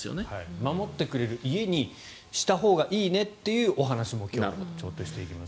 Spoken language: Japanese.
守ってくれる家にしたほうがいいねというお話も今日、ちょっとしていきます。